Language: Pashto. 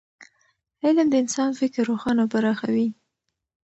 علم د انسان فکر روښانه او پراخوي.